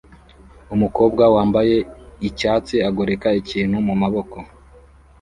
Umukobwa wambaye icyatsi agoreka ikintu mumaboko